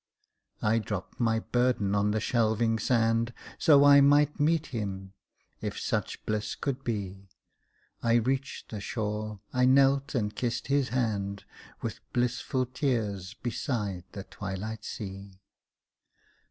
I dropped my burden on the shelving sand So I might meet Him, if such bliss could be, I reached the shore, I knelt and kissed His hand With blissful tears beside the twilight sea.